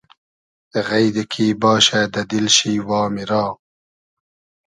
غݷدی کی باشۂ دۂ دیل شی وامی را